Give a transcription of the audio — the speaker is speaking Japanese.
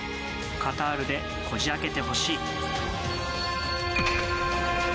カタールでこじ開けてほしい。